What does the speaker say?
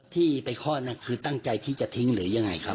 ที่ไปคลอดคือตั้งใจที่จะทิ้งหรือยังไงครับ